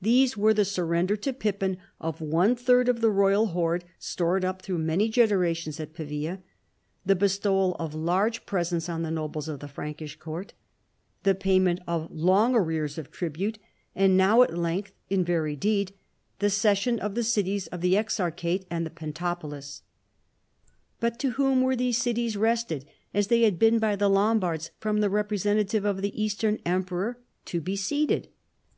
These were, the surrender to Pippin of one third of the royal hoard stored up through many generations at Pavia, the bestowal of large presents on the nobles of the Prankish court, the payment of long arrears of tribute, and, now at length in very deed, the cession of the cities of the exarchate * and the Pentapolis.* But to whom were these cities, wrested as they had been by the Lombards from the representative of the Eastern Emperor, to be ceded?